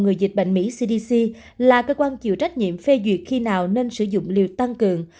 người dịch bệnh mỹ cdc là cơ quan chịu trách nhiệm phê duyệt khi nào nên sử dụng liều tăng cường